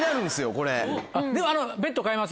これ。